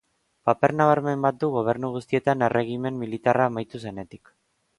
Paper nabarmen bat du gobernu guztietan erregimen militarra amaitu zenetik.